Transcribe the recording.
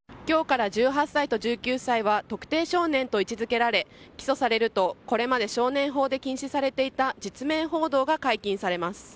今日から１８歳と１９歳は特定少年と位置付けられ起訴されるとこれまで少年法で禁止されていた実名報道が解禁されます。